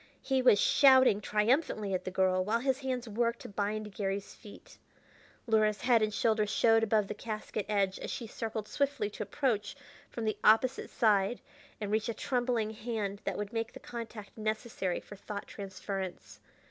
He was shouting triumphantly at the girl, while his hands worked to bind Garry's feet. Luhra's head and shoulders showed above the casket edge as she circled swiftly to approach from the opposite side and reach a trembling hand that would make the contact necessary for thought transference.